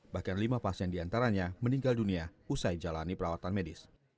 bahkan lima pasien diantaranya meninggal dunia usai jalani perawatan medis